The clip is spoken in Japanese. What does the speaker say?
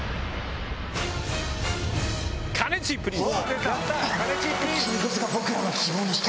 「カネチープリンス」。